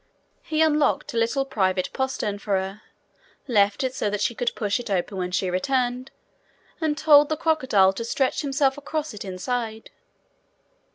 He unlocked a little private postern for her, left it so that she could push it open when she returned, and told the crocodile to stretch himself across it inside.